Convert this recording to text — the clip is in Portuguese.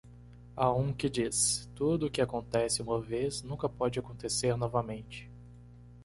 Há um que diz? 'Tudo o que acontece uma vez nunca pode acontecer novamente.